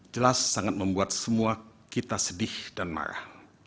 jelas sangat membuat semua kita sedih dan marah